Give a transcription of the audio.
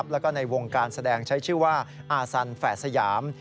แล้วก็ในวงการแสดงใช้ชื่อว่าอาสันแฝดสยาม